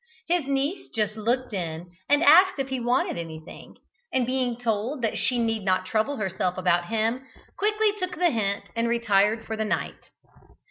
His niece just looked in, and asked if he wanted anything, and being told that she need not trouble herself about him, quickly took the hint, and retired for the night.